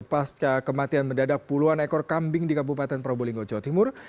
pasca kematian mendadak puluhan ekor kambing di kabupaten probolinggo jawa timur